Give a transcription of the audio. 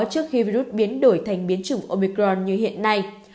trước khi virus biến đổi thành biến chủng omicron như hiện nay